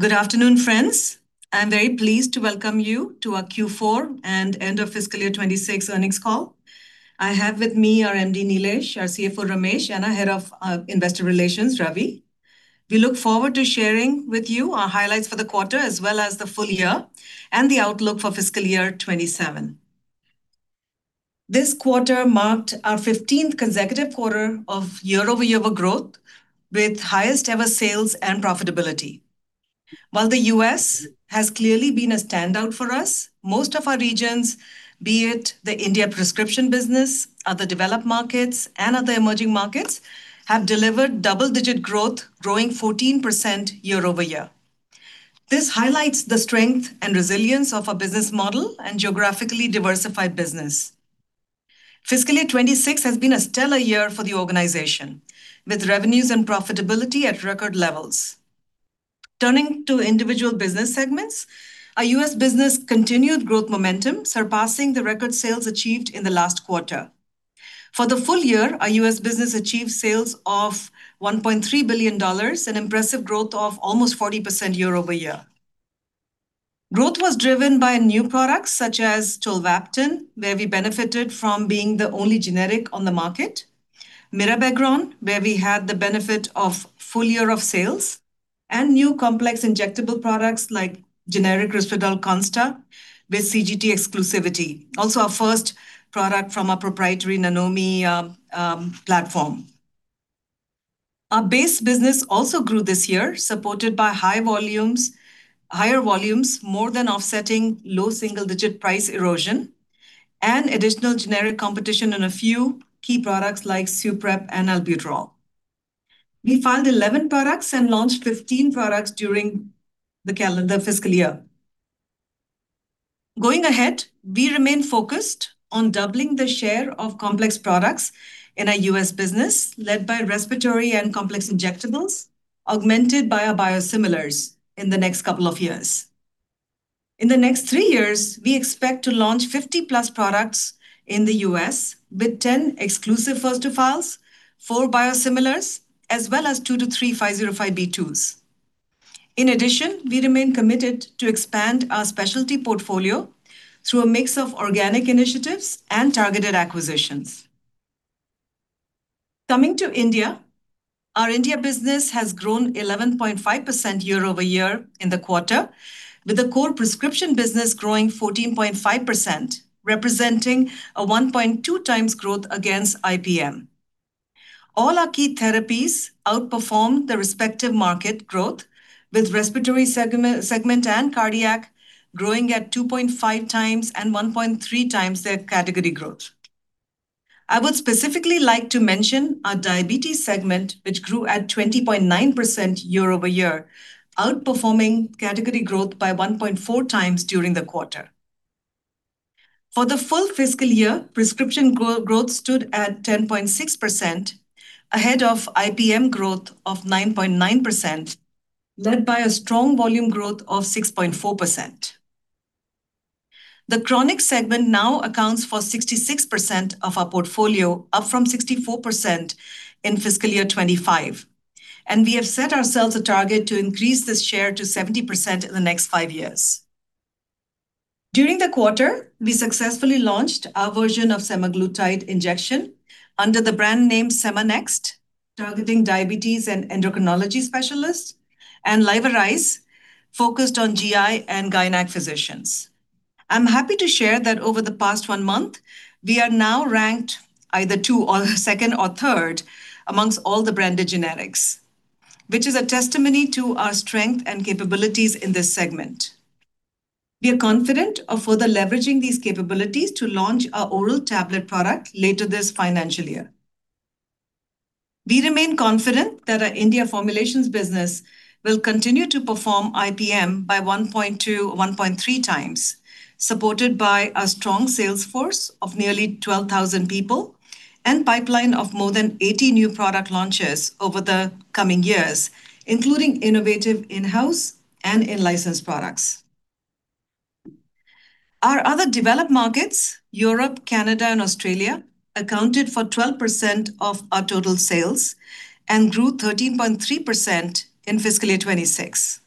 Good afternoon, friends. I'm very pleased to welcome you to our Q4 and end of fiscal year 2026 earnings call. I have with me our MD, Nilesh, our CFO, Ramesh, and our head of investor relations, Ravi. We look forward to sharing with you our highlights for the quarter as well as the full year, and the outlook for fiscal year 2027. This quarter marked our fifteenth consecutive quarter of year-over-year growth with highest ever sales and profitability. While the U.S. has clearly been a standout for us, most of our regions, be it the India prescription business, other developed markets, and other emerging markets, have delivered double-digit growth, growing 14% year-over-year. This highlights the strength and resilience of our business model and geographically diversified business. Fiscal year 2026 has been a stellar year for the organization, with revenues and profitability at record levels. Turning to individual business segments, our U.S. business continued growth momentum, surpassing the record sales achieved in the last quarter. For the full year, our U.S. business achieved sales of $1.3 billion, an impressive growth of almost 40% year-over-year. Growth was driven by new products such as tolvaptan, where we benefited from being the only generic on the market, mirabegron, where we had the benefit of full year of sales, and new complex injectable products like generic Risperdal Consta with CGT exclusivity. Also, our first product from our proprietary Nanomi platform. Our base business also grew this year, supported by high volumes, higher volumes more than offsetting low single-digit price erosion and additional generic competition in a few key products like SUPREP and albutrol. We filed 11 products and launched 15 products during the calendar fiscal year. Going ahead, we remain focused on doubling the share of complex products in our U.S. business, led by respiratory and complex injectables, augmented by our biosimilars in the next couple of years. In the next three years, we expect to launch 50-plus products in the U.S., with 10 exclusive first to files, four biosimilars, as well as two to three 505(b)(2)s. In addition, we remain committed to expand our specialty portfolio through a mix of organic initiatives and targeted acquisitions. Coming to India, our India business has grown 11.5% year-over-year in the quarter, with the core prescription business growing 14.5%, representing a 1.2x growth against IPM. All our key therapies outperformed the respective market growth, with respiratory segment and cardiac growing at 2.5x and 1.3x their category growth. I would specifically like to mention our diabetes segment, which grew at 20.9% year-over-year, outperforming category growth by 1.4x during the quarter. For the full fiscal year, prescription growth stood at 10.6%, ahead of IPM growth of 9.9%, led by a strong volume growth of 6.4%. The chronic segment now accounts for 66% of our portfolio, up from 64% in fiscal year 2025, and we have set ourselves a target to increase this share to 70% in the next five years. During the quarter, we successfully launched our version of semaglutide injection under the brand name SemaNext, targeting diabetes and endocrinology specialists, and Livarise, focused on GI and gynec physicians. I'm happy to share that over the past one month, we are now ranked either two or second or third amongst all the branded generics, which is a testimony to our strength and capabilities in this segment. We are confident of further leveraging these capabilities to launch our oral tablet product later this financial year. We remain confident that our India Formulations Business will continue to perform IPM by 1.2x, 1.3x, supported by a strong sales force of nearly 12,000 people and pipeline of more than 80 new product launches over the coming years, including innovative in-house and in-licensed products. Our other developed markets, Europe, Canada, and Australia, accounted for 12% of our total sales and grew 13.3% in fiscal year 2026.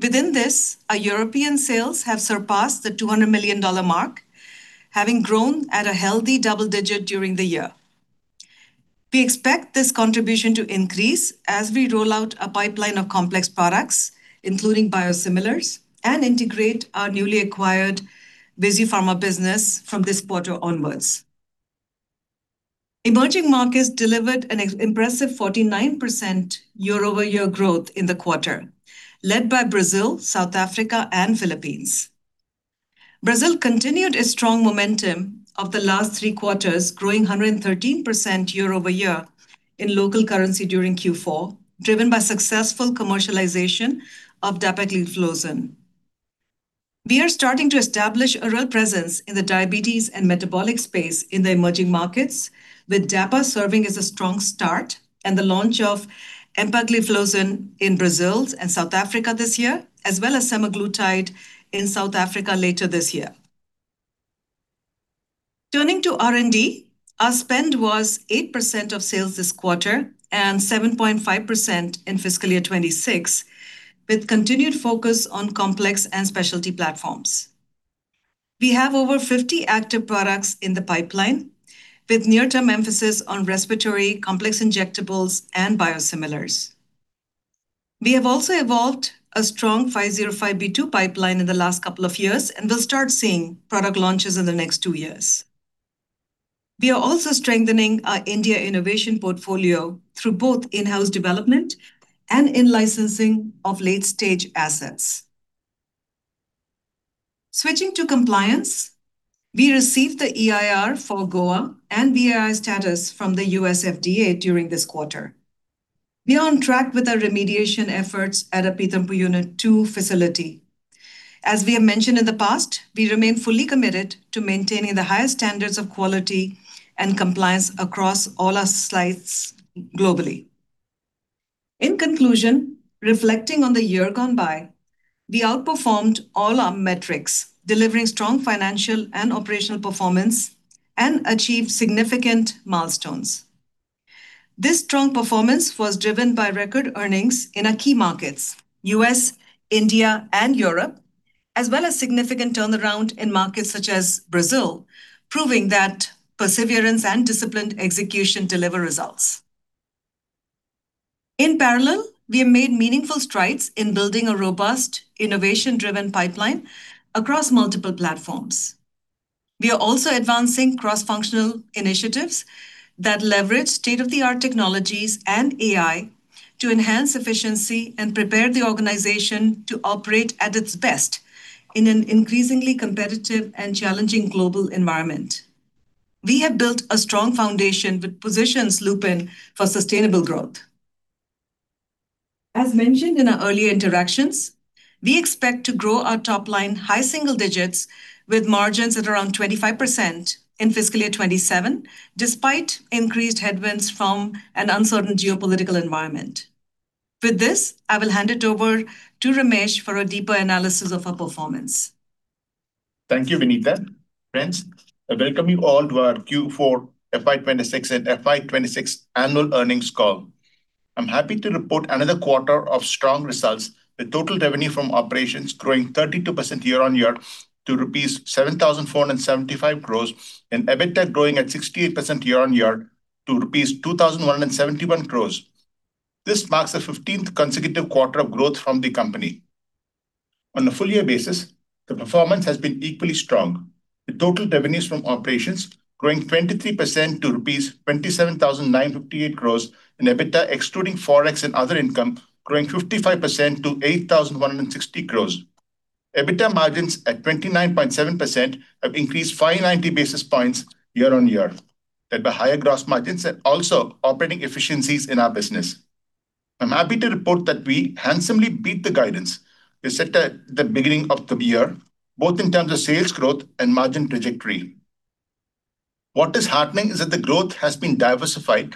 Within this, our European sales have surpassed the $200 million mark, having grown at a healthy double-digit during the year. We expect this contribution to increase as we roll out a pipeline of complex products, including biosimilars, and integrate our newly acquired VISUfarma business from this quarter onwards. Emerging markets delivered an impressive 49% year-over-year growth in the quarter, led by Brazil, South Africa, and Philippines. Brazil continued a strong momentum of the last three quarters, growing 113% year-over-year in local currency during Q4, driven by successful commercialization of dapagliflozin. We are starting to establish a real presence in the diabetes and metabolic space in the emerging markets, with dapa serving as a strong start and the launch of empagliflozin in Brazil and South Africa this year, as well as semaglutide in South Africa later this year. Turning to R&D, our spend was 8% of sales this quarter and 7.5% in fiscal year 2026, with continued focus on complex and specialty platforms. We have over 50 active products in the pipeline, with near-term emphasis on respiratory, complex injectables, and biosimilars. We have also evolved a strong 505(b)(2) pipeline in the last couple of years, and we'll start seeing product launches in the next two years. We are also strengthening our India innovation portfolio through both in-house development and in-licensing of late-stage assets. Switching to compliance, we received the EIR for Goa and BII status from the U.S. FDA during this quarter. We are on track with our remediation efforts at our Pithampur Unit 2 facility. As we have mentioned in the past, we remain fully committed to maintaining the highest standards of quality and compliance across all our sites globally. In conclusion, reflecting on the year gone by, we outperformed all our metrics, delivering strong financial and operational performance and achieved significant milestones. This strong performance was driven by record earnings in our key markets, U.S., India, and Europe, as well as significant turnaround in markets such as Brazil, proving that perseverance and disciplined execution deliver results. In parallel, we have made meaningful strides in building a robust innovation-driven pipeline across multiple platforms. We are also advancing cross-functional initiatives that leverage state-of-the-art technologies and AI to enhance efficiency and prepare the organization to operate at its best in an increasingly competitive and challenging global environment. We have built a strong foundation which positions Lupin for sustainable growth. As mentioned in our earlier directions, we expect to grow our top line high single digits with margins at around 25% in fiscal year 2027, despite increased headwinds from an uncertain geopolitical environment. With this, I will hand it over to Ramesh for a deeper analysis of our performance. Thank you, Vinita. Friends, I welcome you all to our Q4 FY 2026 and FY 2026 annual earnings call. I'm happy to report another quarter of strong results, with total revenue from operations growing 32% year-on-year to rupees 7,475 crores and EBITDA growing at 68% year-on-year to rupees 2,171 crores. This marks the 15th consecutive quarter of growth from the company. On a full year basis, the performance has been equally strong, with total revenues from operations growing 23% to rupees 27,958 crores and EBITDA excluding Forex and other income growing 55% to 8,160 crores. EBITDA margins at 29.7% have increased 590 basis points year-on-year, led by higher gross margins and also operating efficiencies in our business. I'm happy to report that we handsomely beat the guidance we set at the beginning of the year, both in terms of sales growth and margin trajectory. What is heartening is that the growth has been diversified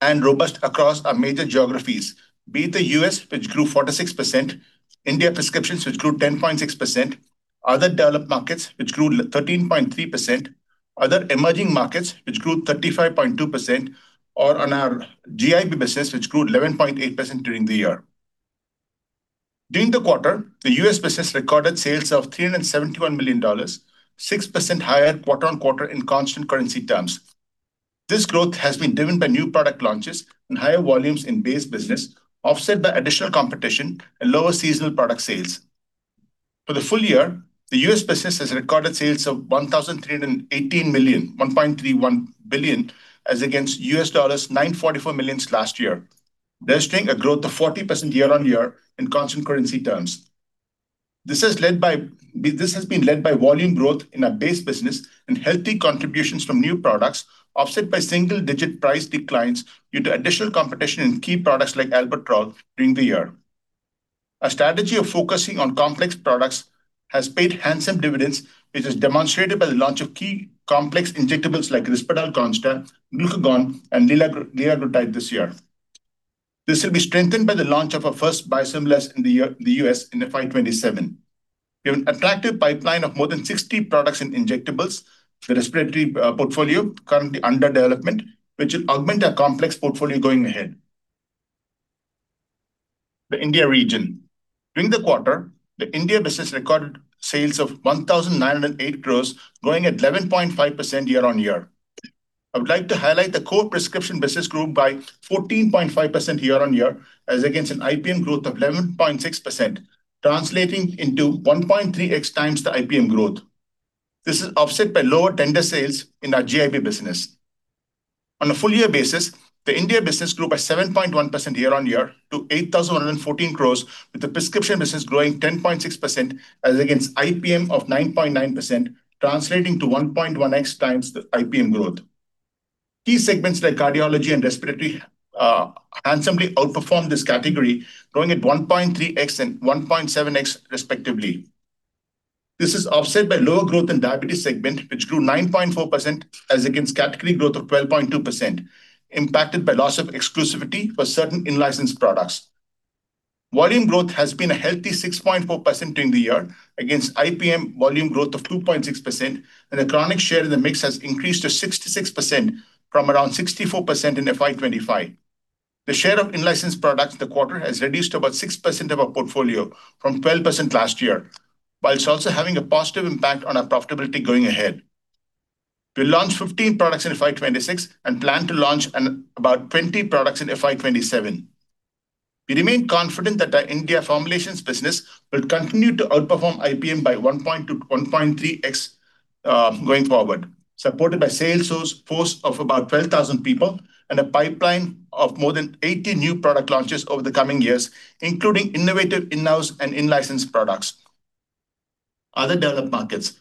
and robust across our major geographies, be it the U.S., which grew 46%, India prescriptions, which grew 10.6%, other developed markets, which grew 13.3%, other emerging markets, which grew 35.2%, or on our GI Business, which grew 11.8% during the year. During the quarter, the U.S. business recorded sales of $371 million, 6% higher quarter-on-quarter in constant currency terms. This growth has been driven by new product launches and higher volumes in base business, offset by additional competition and lower seasonal product sales. For the full year, the U.S. business has recorded sales of $1,318 million, $1.31 billion, as against $944 million last year, registering a growth of 40% year-on-year in constant currency terms. This has been led by volume growth in our base business and healthy contributions from new products, offset by single-digit price declines due to additional competition in key products like albuterol during the year. Our strategy of focusing on complex products has paid handsome dividends, which is demonstrated by the launch of key complex injectables like Risperdal Consta, glucagon, and Lila-Liraglutide this year. This will be strengthened by the launch of our first biosimilars in the U.S. in FY 2027. We have an attractive pipeline of more than 60 products in injectables, the respiratory portfolio currently under development, which will augment our complex portfolio going ahead. The India region. During the quarter, the India business recorded sales of 1,908 crores, growing at 11.5% year-on-year. I would like to highlight the core prescription business grew by 14.5% year-on-year as against an IPM growth of 11.6%, translating into 1.3x times the IPM growth. This is offset by lower tender sales in our GIB business. On a full year basis, the India business grew by 7.1% year-on-year to 8,114 crore, with the prescription business growing 10.6% as against IPM of 9.9%, translating to 1.1x times the IPM growth. Key segments like cardiology and respiratory handsomely outperformed this category, growing at 1.3x and 1.7x respectively. This is offset by lower growth in diabetes segment, which grew 9.4% as against category growth of 12.2%, impacted by loss of exclusivity for certain in-licensed products. Volume growth has been a healthy 6.4% during the year against IPM volume growth of 2.6%, and the chronic share in the mix has increased to 66% from around 64% in FY 2025. The share of in-licensed products in the quarter has reduced to about 6% of our portfolio from 12% last year, while it's also having a positive impact on our profitability going ahead. We launched 15 products in FY 2026 and plan to launch about 20 products in FY 2027. We remain confident that our India Formulations business will continue to outperform IPM by 1.0x-1.3x going forward, supported by sales force of about 12,000 people and a pipeline of more than 80 new product launches over the coming years, including innovative in-house and in-licensed products. Other developed markets.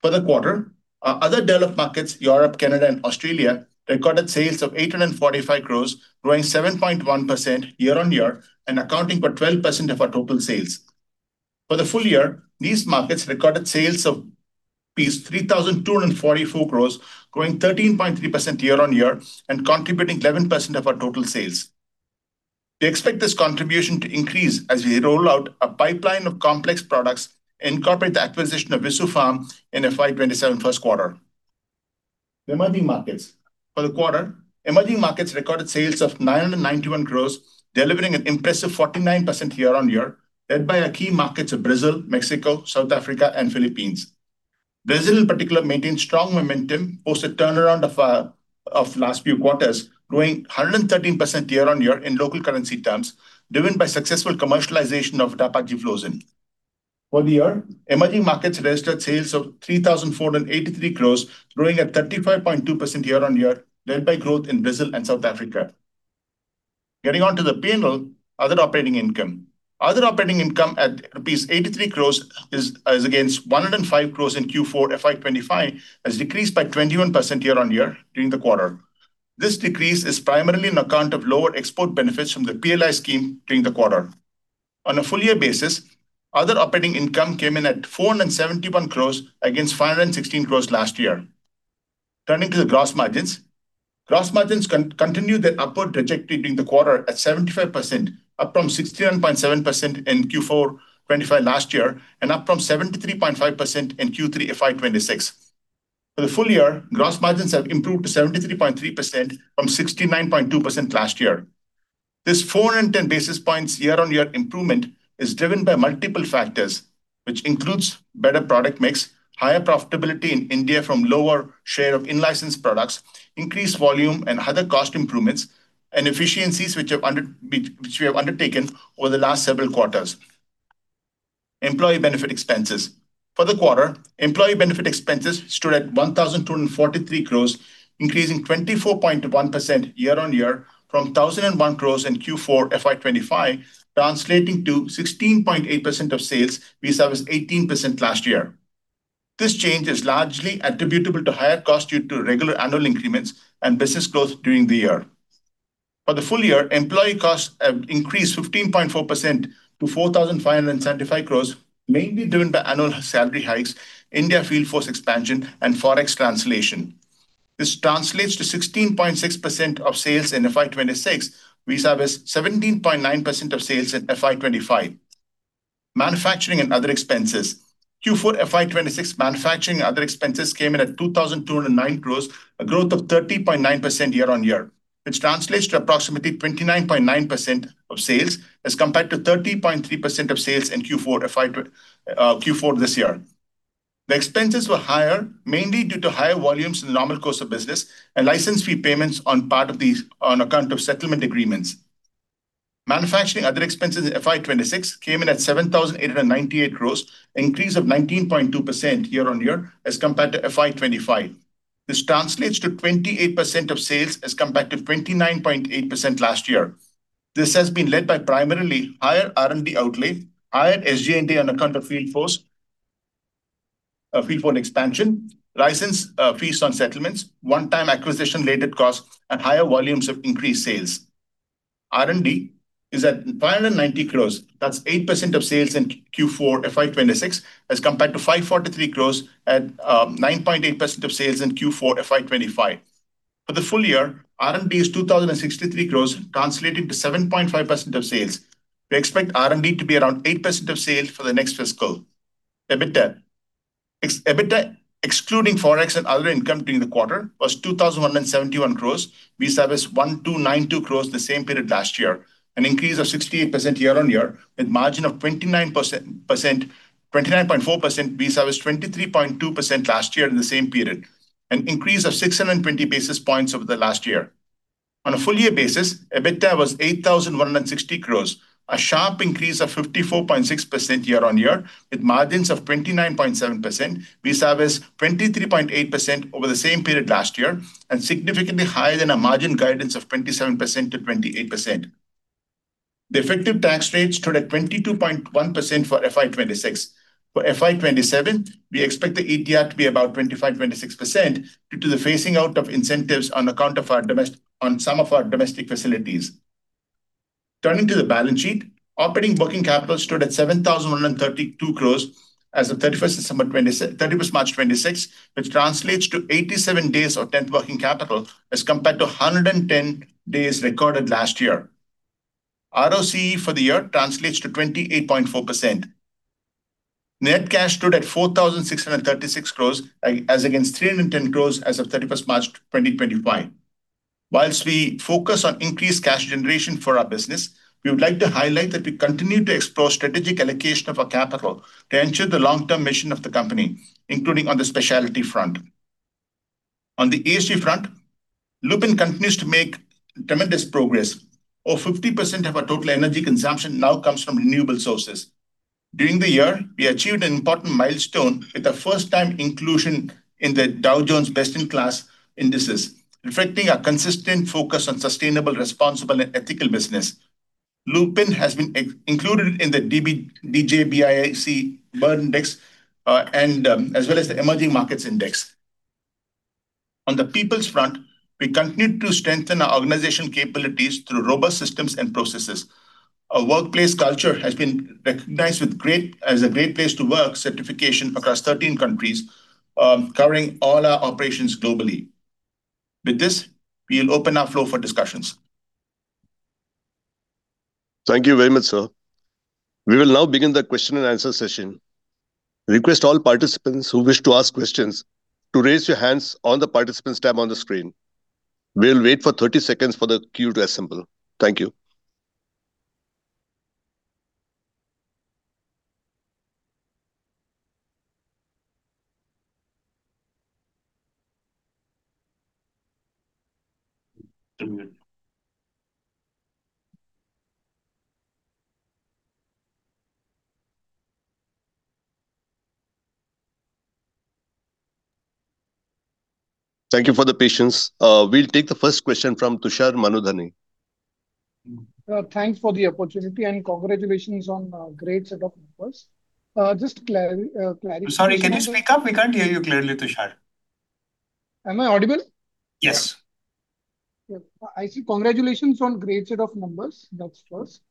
For the quarter, our other developed markets, Europe, Canada, and Australia, recorded sales of 845 crores, growing 7.1% year-on-year and accounting for 12% of our total sales. For the full year, these markets recorded sales of 3,244 crores, growing 13.3% year-on-year and contributing 11% of our total sales. We expect this contribution to increase as we roll out a pipeline of complex products and incorporate the acquisition of VISUfarma in FY 2027 first quarter. Emerging markets. For the quarter, emerging markets recorded sales of Rs. 991 crores, delivering an impressive 49% year-on-year, led by our key markets of Brazil, Mexico, South Africa, and Philippines. Brazil, in particular, maintained strong momentum post the turnaround of last few quarters, growing 113% year-on-year in local currency terms, driven by successful commercialization of dapagliflozin. For the year, emerging markets registered sales of 3,483 crores, growing at 35.2% year-on-year, led by growth in Brazil and South Africa. Getting on to the P&L, other operating income. Other operating income at rupees 83 crores is against 105 crores in Q4 FY 2025, has decreased by 21% year-on-year during the quarter. This decrease is primarily on account of lower export benefits from the PLI scheme during the quarter. On a full year basis, other operating income came in at 471 crores against 516 crores last year. Turning to the gross margins. Gross margins continue their upward trajectory during the quarter at 75%, up from 61.7% in Q4 2025 last year and up from 73.5% in Q3 FY 2026. For the full year, gross margins have improved to 73.3% from 69.2% last year. This 410 basis points year-on-year improvement is driven by multiple factors, which includes better product mix, higher profitability in India from lower share of in-licensed products, increased volume and other cost improvements and efficiencies which we have undertaken over the last several quarters. Employee benefit expenses. For the quarter, employee benefit expenses stood at 1,243 crore, increasing 24.1% year-on-year from 1,001 crore in Q4 FY 2025, translating to 16.8% of sales, vis-à-vis 18% last year. This change is largely attributable to higher costs due to regular annual increments and business growth during the year. For the full year, employee costs have increased 15.4% to 4,575 crores, mainly driven by annual salary hikes, India field force expansion, and Forex translation. This translates to 16.6% of sales in FY 2026, vis-à-vis 17.9% of sales in FY 2025. Manufacturing and other expenses. Q4 FY 2026 manufacturing other expenses came in at 2,209 crores, a growth of 30.9% year-over-year, which translates to approximately 29.9% of sales as compared to 30.3% of sales in Q4 this year. The expenses were higher, mainly due to higher volumes in the normal course of business and license fee payments on account of settlement agreements. Manufacturing other expenses in FY 2026 came in at 7,898 crores, an increase of 19.2% year-on-year as compared to FY 2025. This translates to 28% of sales as compared to 29.8% last year. This has been led by primarily higher R&D outlay, higher SG&A on account of field force, field force expansion, license fees on settlements, one-time acquisition-related costs and higher volumes of increased sales. R&D is at 590 crores. That's 8% of sales in Q4 FY 2026 as compared to 543 crores at 9.8% of sales in Q4 FY 2025. For the full year, R&D is INR 2,063 crores, translating to 7.5% of sales. We expect R&D to be around 8% of sales for the next fiscal. EBITDA. Ex-EBITDA, excluding Forex and other income during the quarter, was 2,171 crores, vis-à-vis 1,292 crores the same period last year, an increase of 68% year-on-year, with margin of 29.4% vis-à-vis 23.2% last year in the same period, an increase of 620 basis points over the last year. On a full year basis, EBITDA was 8,160 crores, a sharp increase of 54.6% year-on-year with margins of 29.7% vis-à-vis 23.8% over the same period last year and significantly higher than our margin guidance of 27%-28%. The effective tax rate stood at 22.1% for FY 2026. For FY 2027, we expect the ETR to be about 25%-26% due to the phasing out of incentives on account of some of our domestic facilities. Turning to the balance sheet. Operating working capital stood at 7,132 crores. As of March 31st, 2026, which translates to 87 days of 10th working capital as compared to 110 days recorded last year. ROCE for the year translates to 28.4%. Net cash stood at 4,636 crores as against 310 crores as of March 31st, 2025. Whilst we focus on increased cash generation for our business, we would like to highlight that we continue to explore strategic allocation of our capital to ensure the long-term mission of the company, including on the specialty front. On the ESG front, Lupin continues to make tremendous progress. Over 50% of our total energy consumption now comes from renewable sources. During the year, we achieved an important milestone with a first-time inclusion in the Dow Jones Best-in-Class Indices, reflecting a consistent focus on sustainable, responsible, and ethical business. Lupin has been included in the DJBIC burn index or Ondum as well as the emerging markets index. On the people's front, we continue to strengthen our organization capabilities through robust systems and processes. Our workplace culture has been recognized as a Great Place to Work certification across 13 countries, covering all our operations globally. With this, we'll open up floor for discussions. Thank you very much, sir. We will now begin the question and answer session. Request all participants who wish to ask questions to raise your hands on the participants tab on the screen. We'll wait for 30 seconds for the queue to assemble. Thank you. Thank you for the patience. We'll take the first question from Tushar Manudhane. Thanks for the opportunity, and congratulations on a great set of numbers. Just clarification. Sorry, can you speak up? We can't hear you clearly, Tushar. Am I audible? Yes. Yeah. I see. Congratulations on great set of numbers. That's first.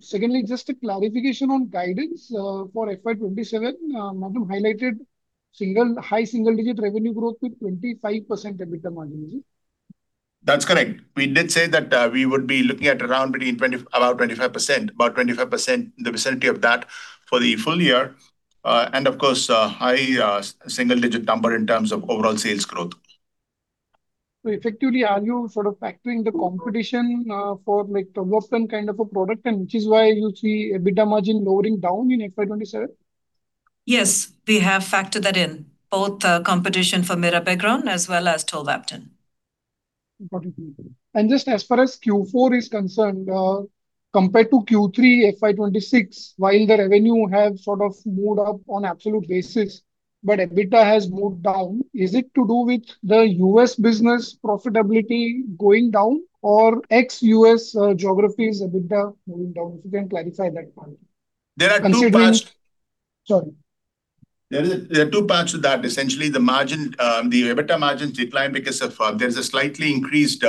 Secondly, just a clarification on guidance for FY 2027, Madhumay highlighted high single-digit revenue growth with 25% EBITDA margin. That's correct. We did say that, we would be looking at around between about 25%, in the vicinity of that for the full year. Of course, a high, single-digit number in terms of overall sales growth. Effectively, are you sort of factoring the competition, for like tolvaptan kind of a product and which is why you see EBITDA margin lowering down in FY 2027? Yes, we have factored that in, both the competition for mirabegron as well as tolvaptan. Important. Just as far as Q4 is concerned, compared to Q3 FY 2026, while the revenue has sort of moved up on absolute basis, but EBITDA has moved down. Is it to do with the U.S. business profitability going down or ex-U.S. geographies EBITDA moving down? If you can clarify that part. There are two parts. Considering. Sorry. There are two parts to that. Essentially, the margin, the EBITDA margins decline because of there's a slightly increased,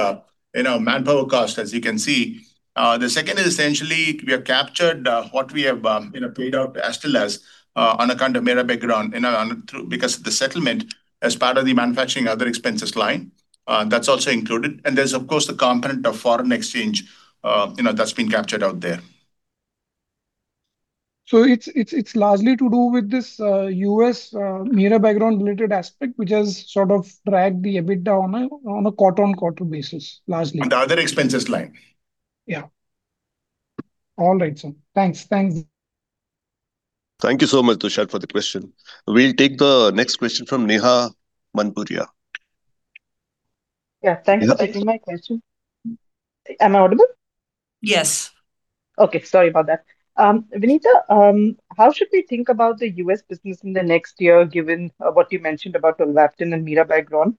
you know, manpower cost, as you can see. The second is essentially we have captured what we have, you know, paid out as till as on account of mirabegron, you know, through because of the settlement as part of the manufacturing other expenses line. That's also included. There's of course, the component of foreign exchange, you know, that's been captured out there. It's largely to do with this U.S. mirabegron related aspect, which has sort of dragged the EBITDA on a quarter-on-quarter basis, largely. On the other expenses line. Yeah. All right, sir. Thanks. Thanks. Thank you so much, Tushar, for the question. We'll take the next question from Neha Manpuria. Yeah. Taking my question. Am I audible? Yes. Okay. Sorry about that. Vinita, how should we think about the U.S. business in the next year, given what you mentioned about tolvaptan and mirabegron?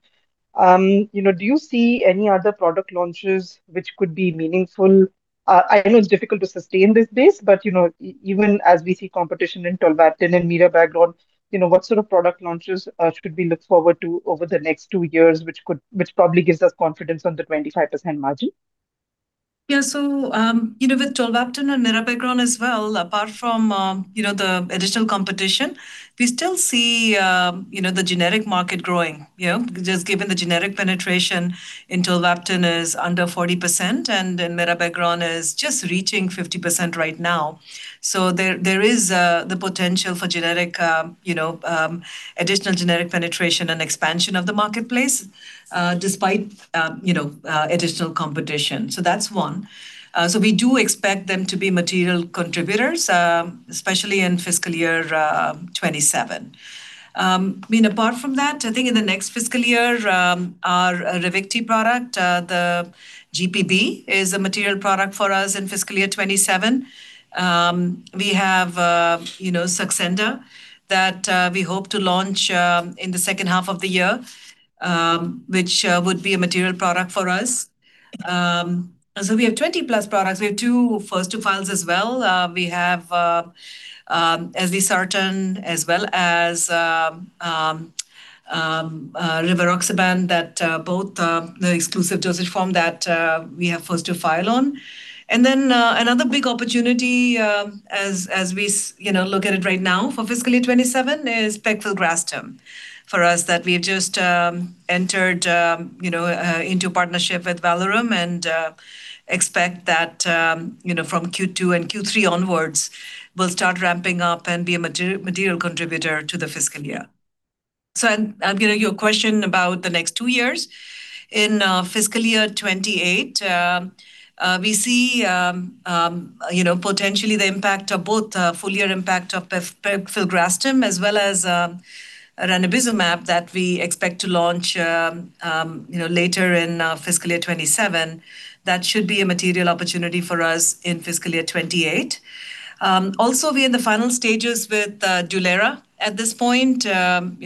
You know, do you see any other product launches which could be meaningful? I know it's difficult to sustain this base, but, you know, even as we see competition in tolvaptan and mirabegron, you know, what sort of product launches should we look forward to over the next two years, which probably gives us confidence on the 25% margin? Yeah. You know, with tolvaptan and mirabegron as well, apart from, you know, the additional competition, we still see, you know, the generic market growing. You know, just given the generic penetration in tolvaptan is under 40%, and then mirabegron is just reaching 50% right now. There is the potential for generic, you know, additional generic penetration and expansion of the marketplace, despite, you know, additional competition. That's one. We do expect them to be material contributors, especially in fiscal year 2027. I mean, apart from that, I think in the next fiscal year, our Ravicti product, the GPB is a material product for us in fiscal year 2027. We have, you know, Saxenda that we hope to launch in the 2nd half of the year, which would be a material product for us. We have 20-plus products. We have two first two files as well. We have irbesartan as well as rivaroxaban that both the exclusive dosage form that we have first to file on. Another big opportunity as we you know, look at it right now for fiscal year 2027 is pegfilgrastim for us that we just entered into partnership with Valorum and expect that from Q2 and Q3 onwards will start ramping up and be a material contributor to the fiscal year. Again about your question about the next two years. In fiscal year 2028, we see, you know, potentially the impact of both full year impact of pegfilgrastim as well as ranibizumab that we expect to launch, you know, later in fiscal year 2027. That should be a material opportunity for us in fiscal year 2028. also be in the final stages with Dulera at this point.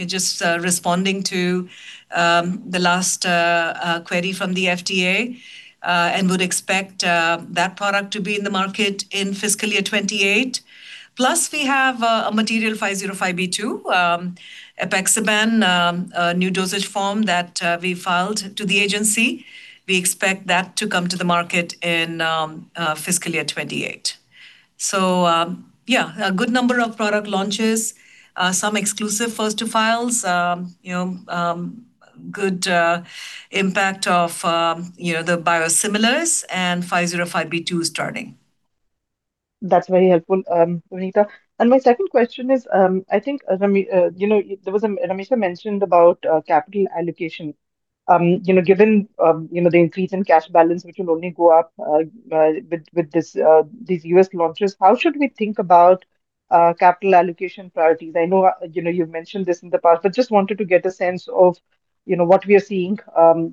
just responding to the last query from the FDA and would expect that product to be in the market in fiscal year 2028. Plus, we have a material 505(b)(2) apixaban, a new dosage form that we filed to the agency. We expect that to come to the market in fiscal year 2028. Yeah, a good number of product launches, some exclusive first to files, you know, good impact of, you know, the biosimilars and 505(b)(2) starting. That's very helpful, Vinita. My second question is, I think Ramesh mentioned about capital allocation. Given the increase in cash balance, which will only go up with these U.S. launches, how should we think about capital allocation priorities? I know you've mentioned this in the past, but just wanted to get a sense of what we are seeing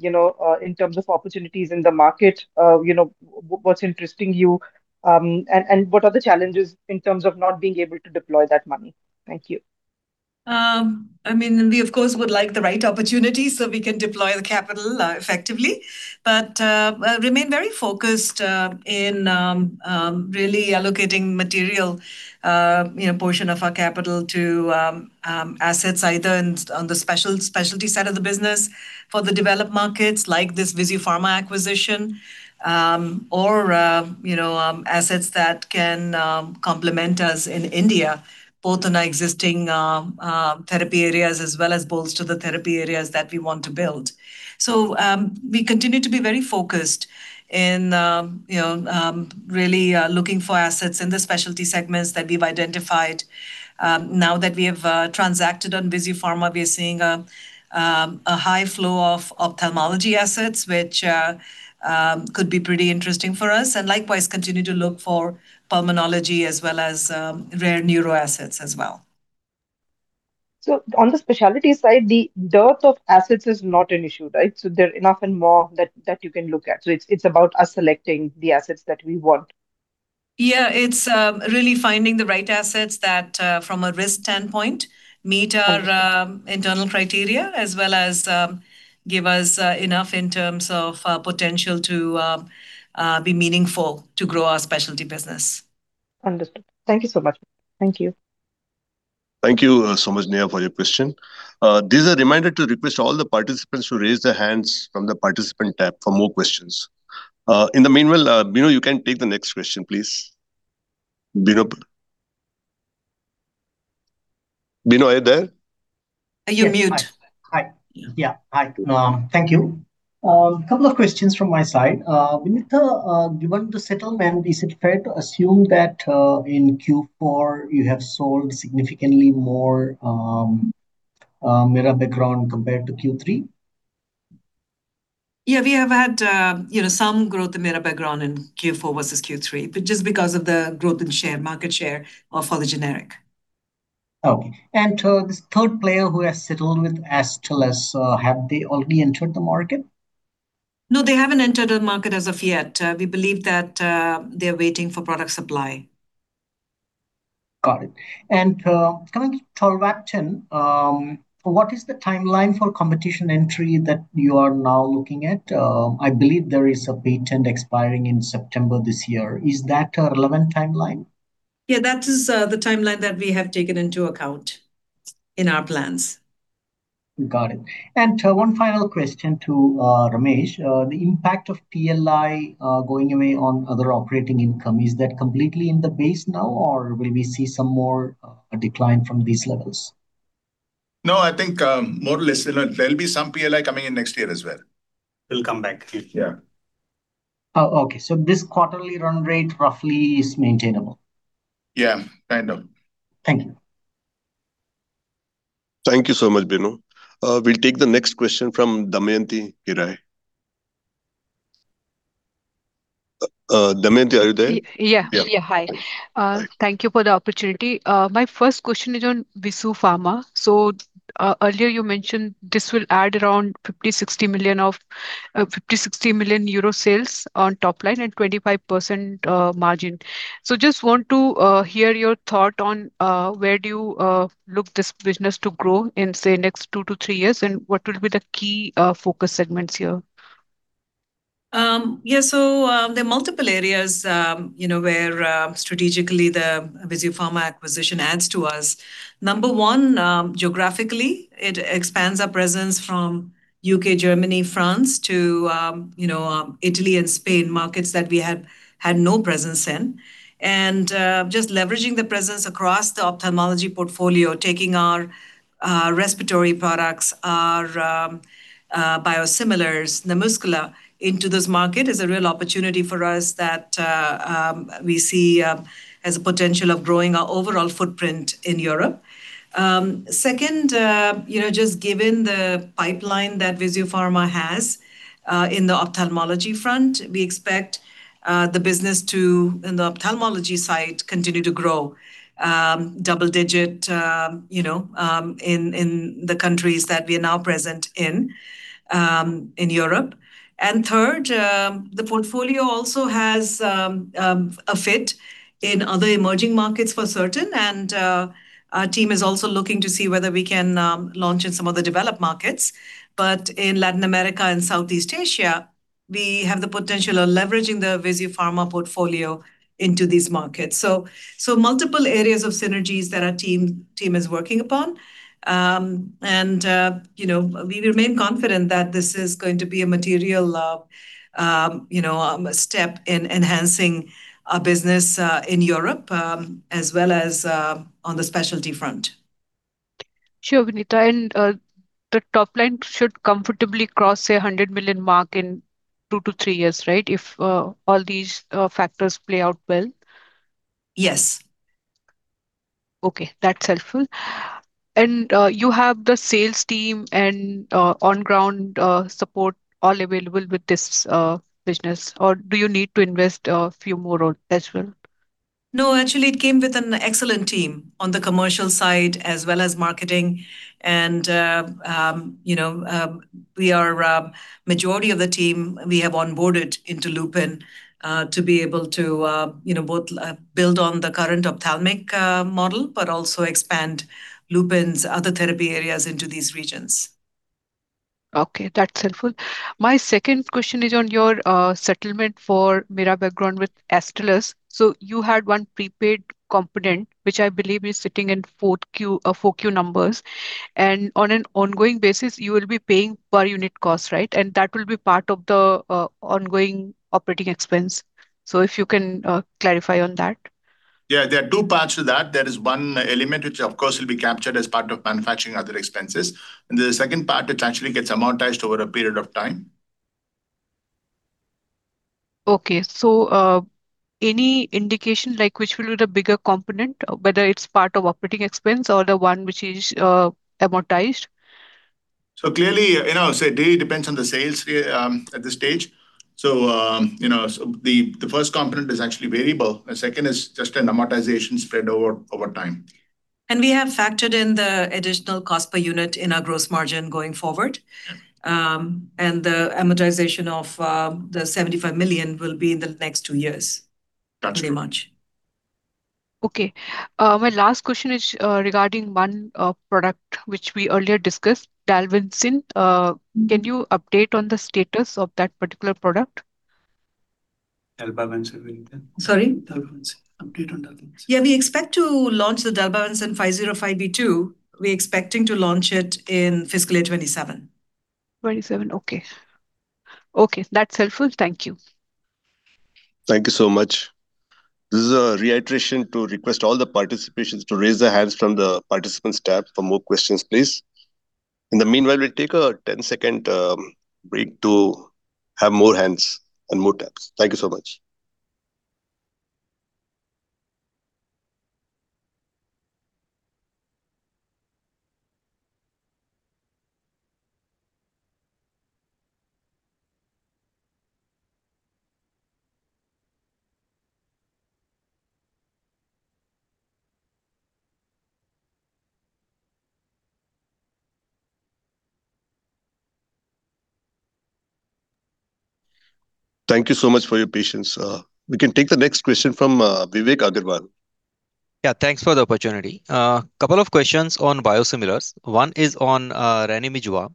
in terms of opportunities in the market, what's interesting you, and what are the challenges in terms of not being able to deploy that money. Thank you. I mean, we of course would like the right opportunity so we can deploy the capital effectively. Remain very focused in really allocating material, you know, portion of our capital to assets either on the specialty side of the business for the developed markets like this VISUfarma acquisition, or, you know, assets that can complement us in India, both in our existing therapy areas as well as bolster the therapy areas that we want to build. We continue to be very focused and, you know, really looking for assets in the specialty segments that we've identified. Now that we have transacted on VISUfarma, we are seeing a high flow of ophthalmology assets, which could be pretty interesting for us, and likewise continue to look for pulmonology as well as rare neuro assets as well. On the specialty side, the dearth of assets is not an issue, right? There are enough and more that you can look at. It's about us selecting the assets that we want. It's really finding the right assets that from a risk standpoint meet. Okay internal criteria as well as give us enough in terms of potential to be meaningful to grow our specialty business. Understood. Thank you so much. Thank you. Thank you so much, Neha, for your question. This is a reminder to request all the participants to raise their hands from the participant tab for more questions. In the meanwhile, Binu, you can take the next question, please. Binu? Binu, are you there? You're mute. Yes. Hi. Hi. Yeah. Hi. Thank you. Couple of questions from my side. Vinita, given the settlement, is it fair to assume that in Q4 you have sold significantly more mirabegron compared to Q3? Yeah. We have had, you know, some growth in mirabegron in Q4 versus Q3, just because of the growth in share, market share of other generic. Okay. To this third player who has settled with Astellas, have they already entered the market? No, they haven't entered the market as of yet. We believe that they're waiting for product supply. Got it. Coming to tolvaptan, what is the timeline for competition entry that you are now looking at? I believe there is a patent expiring in September this year. Is that a relevant timeline? Yeah. That is the timeline that we have taken into account in our plans. Got it. One final question to Ramesh. The impact of PLI going away on other operating income, is that completely in the base now, or will we see some more decline from these levels? No, I think, more or less. You know, there'll be some PLI coming in next year as well. It'll come back. Yeah. Oh, okay. This quarterly run rate roughly is maintainable? Yeah. Kind of. Thank you. Thank you so much, Binu. We'll take the next question from Damayanti Kerai. Damayanti, are you there? Y-yeah. Yeah. Hi. Thank you for the opportunity. My first question is on VISUfarma. Earlier you mentioned this will add around 50 million, 60 million sales on top line and 25% margin. Just want to hear your thought on where do you look this business to grow in, say, next two to three years, and what will be the key focus segments here? There are multiple areas, you know, where strategically the VISUfarma acquisition adds to us. Number one, geographically it expands our presence from U.K., Germany, France to Italy and Spain, markets that we had no presence in. Just leveraging the presence across the ophthalmology portfolio, taking our respiratory products, our biosimilars, NaMuscla into this market is a real opportunity for us that we see as a potential of growing our overall footprint in Europe. Second, just given the pipeline that VISUfarma has in the ophthalmology front, we expect the business to, in the ophthalmology side, continue to grow double digit in the countries that we are now present in Europe. Third, the portfolio also has a fit in other emerging markets for certain, our team is also looking to see whether we can launch in some other developed markets. In Latin America and Southeast Asia, we have the potential of leveraging the VISUfarma portfolio into these markets. Multiple areas of synergies that our team is working upon. You know, we remain confident that this is going to be a material step in enhancing our business in Europe, as well as on the specialty front. Sure, Vinita, and the top line should comfortably cross the 100 million mark in two to three years, right? If all these factors play out well. Yes. Okay, that's helpful. You have the sales team and on ground support all available with this business or do you need to invest a few more as well? No, actually it came with an excellent team on the commercial side as well as marketing and, you know, we are majority of the team we have onboarded into Lupin to be able to, you know, both build on the current ophthalmic model, but also expand Lupin's other therapy areas into these regions. Okay, that's helpful. My second question is on your settlement for mirabegron with Astellas. You had one prepaid component, which I believe is sitting in fourth Q or four Q numbers, and on an ongoing basis you will be paying per unit cost, right? That will be part of the ongoing operating expense. If you can clarify on that. Yeah, there are two parts to that. There is one element which of course will be captured as part of manufacturing other expenses, and the second part, which actually gets amortized over a period of time. Okay. any indication like which will be the bigger component, whether it's part of operating expense or the one which is amortized? Clearly, you know, it really depends on the sales at this stage. The first component is actually variable. The second is just an amortization spread over time. We have factored in the additional cost per unit in our gross margin going forward. Yeah. The amortization of the 75 million will be in the next two years. That's true. Pretty much. Okay. My last question is regarding one product which we earlier discussed, dalbavancin. Can you update on the status of that particular product? dalbavancin, Vinita. Sorry? dalbavancin. Update on dalbavancin. Yeah, we expect to launch the dalbavancin 505(b)(2). We're expecting to launch it in fiscal year 2027. 2027 okay. Okay, that's helpful. Thank you. Thank you so much. This is a reiteration to request all the participants to raise their hands from the participants tab for more questions, please. In the meanwhile, we'll take a 10-second break to have more hands and more taps. Thank you so much. Thank you so much for your patience. We can take the next question from Vivek Agrawal. Thanks for the opportunity. Couple of questions on biosimilars. One is on ranibizumab.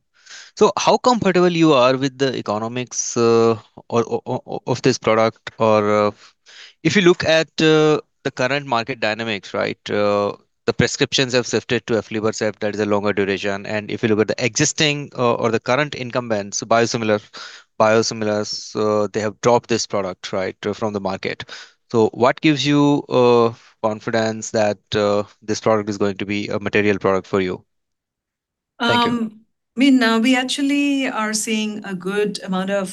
How comfortable you are with the economics of this product? If you look at the current market dynamics, right, the prescriptions have shifted to aflibercept that has a longer duration. If you look at the existing or the current incumbents, biosimilars, they have dropped this product, right, from the market. What gives you confidence that this product is going to be a material product for you? Thank you. I mean, we actually are seeing a good amount of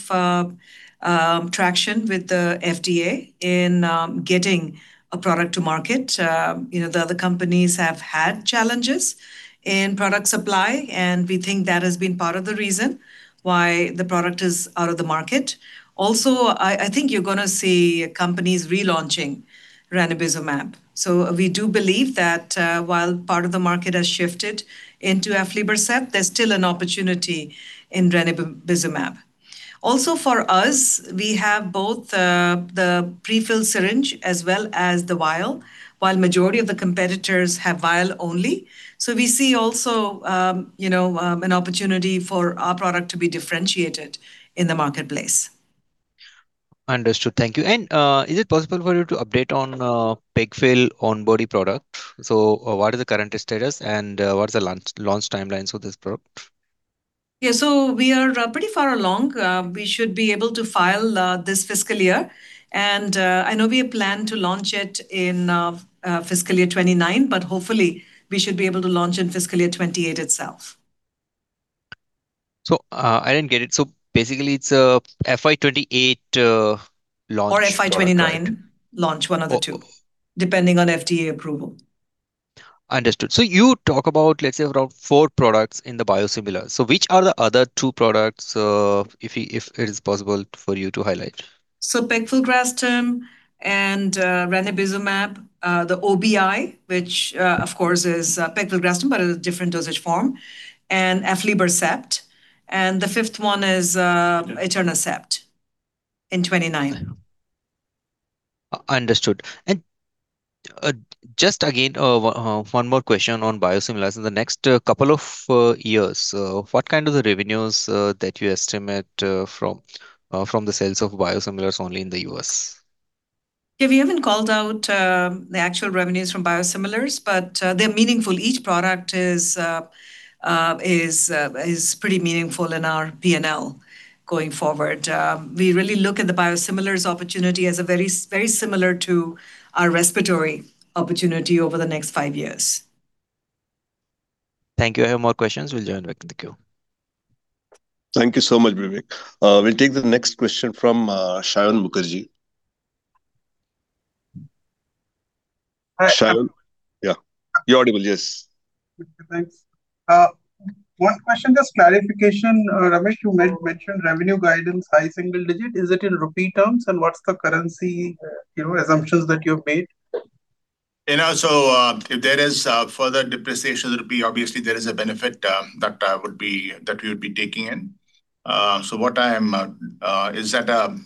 traction with the FDA in getting a product to market. You know, the other companies have had challenges in product supply, and we think that has been part of the reason why the product is out of the market. I think you're gonna see companies relaunching ranibizumab. We do believe that while part of the market has shifted into aflibercept, there's still an opportunity in ranibizumab. For us, we have both the pre-filled syringe as well as the vial, while majority of the competitors have vial only. We see also, you know, an opportunity for our product to be differentiated in the marketplace. Understood. Thank you. Is it possible for you to update on pegfil on-body injector product? What is the current status, and what is the launch timelines for this product? Yeah. We are pretty far along. We should be able to file this fiscal year. I know we have planned to launch it in fiscal year 2029, but hopefully we should be able to launch in fiscal year 2028 itself. I didn't get it. Basically it's FY 2028 launch product. FY 2029 launch. One of the two. Depending on FDA approval. Understood. You talk about, let's say, around four products in the biosimilar. Which are the other two products, if it is possible for you to highlight? pegfilgrastim and ranibizumab, the OBI, which of course is pegfilgrastim but a different dosage form, and aflibercept. The fifth one is etanercept in 2029. Understood. Just again, one more question on biosimilars. In the next couple of years, what kind of the revenues that you estimate from the sales of biosimilars only in the U.S.? Yeah, we haven't called out the actual revenues from biosimilars, but they're meaningful. Each product is pretty meaningful in our P&L going forward. We really look at the biosimilars opportunity as a very similar to our respiratory opportunity over the next five years. Thank you. I have more questions. I will join back in the queue. Thank you so much, Vivek. We'll take the next question from Saion Mukherjee. Hi. Saion? Yeah. You're audible. Yes. Thanks. One question, just clarification, Ramesh, you mentioned revenue guidance, high single digit. Is it in rupee terms, and what's the currency, you know, assumptions that you have made? You know, if there is further depreciation rupee, obviously there is a benefit that would be that we would be taking in. What I am is at a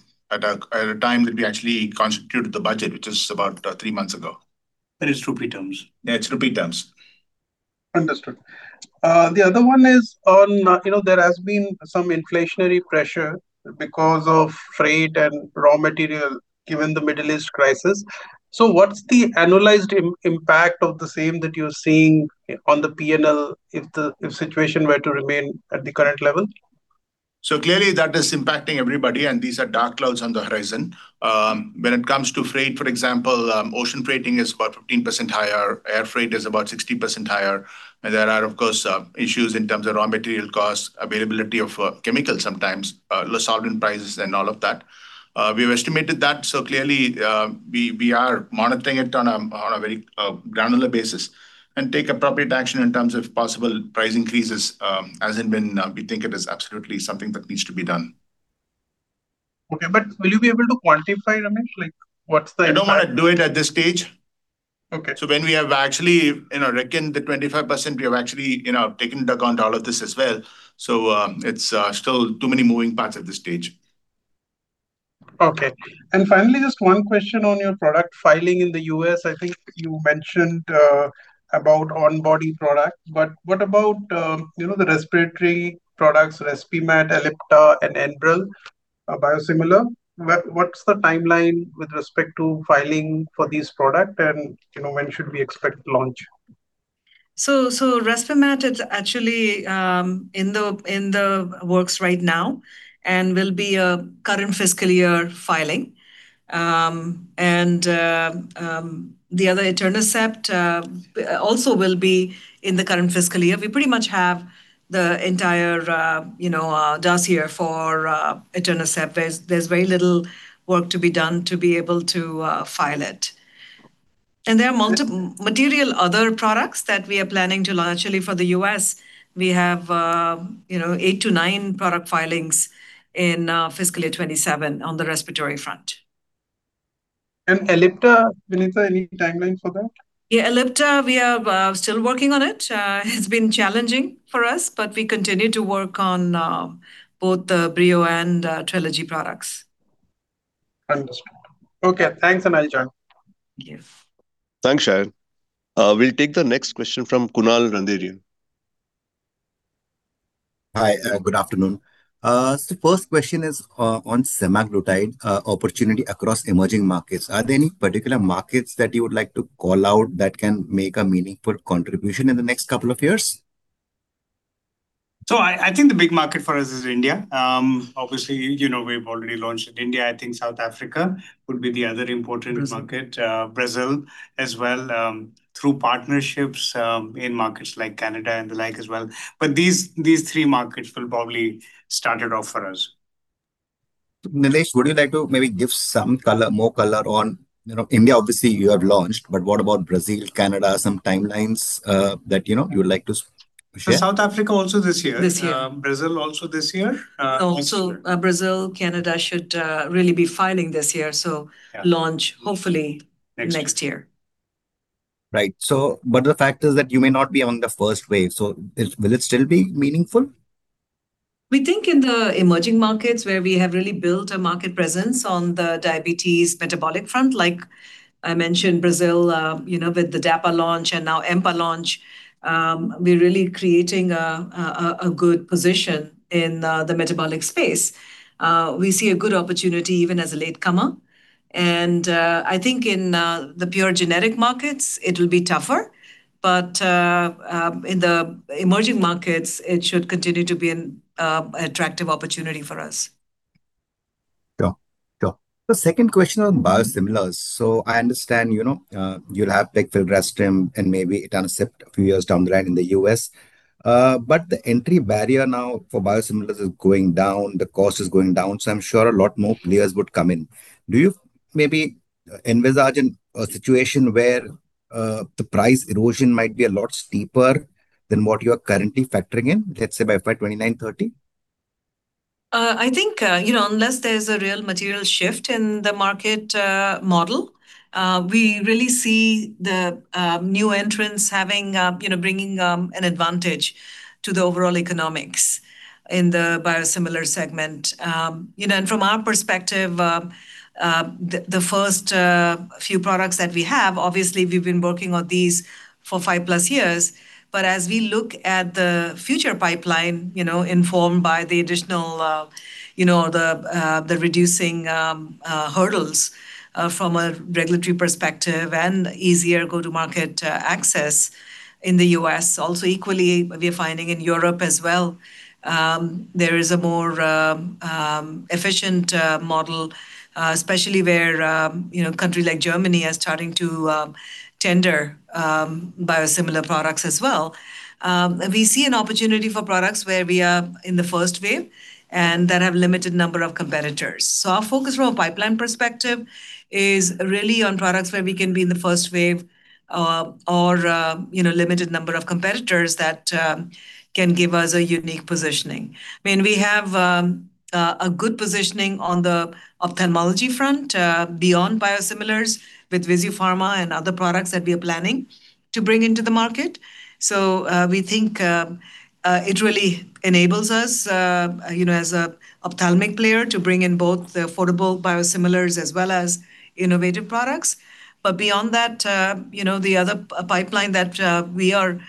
time that we actually constituted the budget, which is about three months ago. That is rupee terms. Yeah, it's rupee terms. Understood. The other one is on, you know, there has been some inflationary pressure because of freight and raw material, given the Middle East crisis. What's the analyzed impact of the same that you're seeing on the P&L if the situation were to remain at the current level? Clearly that is impacting everybody, and these are dark clouds on the horizon. When it comes to freight, for example, ocean freighting is about 15% higher, air freight is about 60% higher. There are, of course, issues in terms of raw material costs, availability of chemicals sometimes, solvent prices and all of that. We have estimated that, clearly, we are monitoring it on a very granular basis and take appropriate action in terms of possible price increases, as and when we think it is absolutely something that needs to be done. Okay. Will you be able to quantify, Ramesh? Like, what's the impact? I don't wanna do it at this stage. Okay. When we have actually, you know, reckoned the 25%, we have actually, you know, taken into account all of this as well. It's still too many moving parts at this stage. Okay. Finally, just one question on your product filing in the U.S. I think you mentioned about onboarding products, but what about, you know, the respiratory products, Respimat, Ellipta and Enbrel, a biosimilar? What's the timeline with respect to filing for these product and, you know, when should we expect launch? Respimat is actually in the works right now and will be a current fiscal year filing. The other, etanercept, also will be in the current fiscal year. We pretty much have the entire dossier for etanercept. There's very little work to be done to be able to file it. Material other products that we are planning to launch early for the U.S. We have, you know, eight to nine product filings in fiscal year 2027 on the respiratory front. Ellipta, Vinita, any timeline for that? Ellipta, we are still working on it. It's been challenging for us, but we continue to work on both the Breo and Trelegy products. Understood. Okay, thanks. I'll join. Yes. Thanks, Saion. We'll take the next question from Kunal Randeria. Hi, good afternoon. First question is on semaglutide opportunity across emerging markets. Are there any particular markets that you would like to call out that can make a meaningful contribution in the next couple of years? I think the big market for us is India. Obviously, you know, we’ve already launched in India. I think South Africa would be the other import market. Brazil as well. Through partnerships in markets like Canada and the like as well. These three markets will probably start it off for us. Nilesh, would you like to maybe give some color, more color on You know, India, obviously you have launched, but what about Brazil, Canada? Some timelines that, you know, you would like to share? South Africa also this year. This year. Brazil also this year. Brazil, Canada should really be filing this year. Yeah. Launch hopefully. Next year. Right. The fact is that you may not be among the first wave, will it still be meaningful? We think in the emerging markets where we have really built a market presence on the diabetes metabolic front, like I mentioned Brazil, you know, with the dapagliflozin launch and now empagliflozin launch, we're really creating a good position in the metabolic space. We see a good opportunity even as a latecomer. I think in the pure generic markets it will be tougher, but in the emerging markets it should continue to be an attractive opportunity for us. Sure. Sure. The second question on biosimilars. I understand, you know, you'll have pegfilgrastim and maybe etanercept a few years down the line in the U.S. The entry barrier now for biosimilars is going down, the cost is going down, I'm sure a lot more players would come in. Do you maybe envisage a situation where the price erosion might be a lot steeper than what you are currently factoring in, let's say, by FY 2029, 2030? I think, you know, unless there's a real material shift in the market model, we really see the new entrants having, you know, bringing an advantage to the overall economics in the biosimilar segment. From our perspective, the first few products that we have, obviously we've been working on these for five plus years, but as we look at the future pipeline, you know, informed by the additional, you know, the reducing hurdles from a regulatory perspective and easier go-to-market access in the U.S., also equally we're finding in Europe as well, there is a more efficient model, especially where, you know, a country like Germany are starting to tender biosimilar products as well. We see an opportunity for products where we are in the first wave and that have limited number of competitors. Our focus from a pipeline perspective is really on products where we can be in the first wave, or, you know, limited number of competitors that can give us a unique positioning. I mean, we have a good positioning on the ophthalmology front, beyond biosimilars with VISUfarma and other products that we are planning to bring into the market. We think it really enables us, you know, as a ophthalmic player to bring in both the affordable biosimilars as well as innovative products. Beyond that, you know, the other pipeline that we are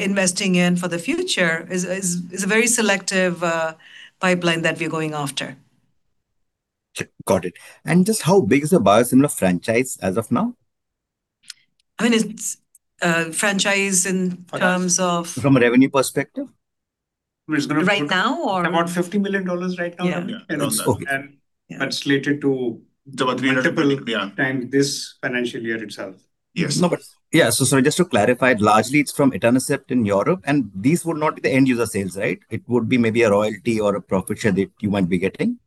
investing in for the future is a very selective pipeline that we're going after. Got it. Just how big is the biosimilar franchise as of now? I mean, it's a franchise in terms of. From a revenue perspective. Right now. About INR 50 million right now. Yeah. Oh. And that's slated to. [About three hundred. Triple.] .Yeah Time this financial year itself. Yes. Yeah. Sorry, just to clarify, largely it's from etanercept in Europe, and these would not be the end user sales, right? It would be maybe a royalty or a profit share that you might be getting.